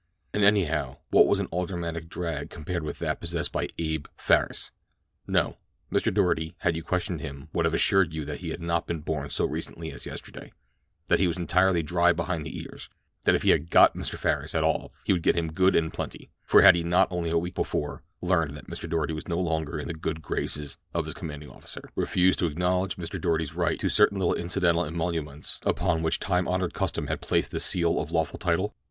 An anyhow, what was an aldermanic drag compared with that possessed by "Abe" Farris? No; Mr. Doarty, had you questioned him, would have assured you that he had not been born so recently as yesterday; that he was entirely dry behind the ears; and that if he "got" Mr. Farris at all he would get him good and plenty, for had he not only a week before, learning that Mr. Doarty was no longer in the good graces of his commanding officer, refused to acknowledge Mr. Doarty's right to certain little incidental emoluments upon which time honored custom had placed the seal of lawful title?